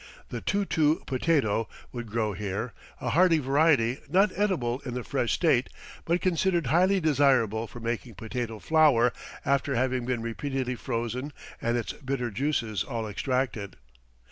The tutu potato would grow here, a hardy variety not edible in the fresh state, but considered highly desirable for making potato flour after having been repeatedly frozen and its bitter juices all extracted.